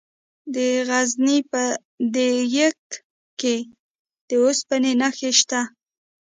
د غزني په ده یک کې د اوسپنې نښې شته.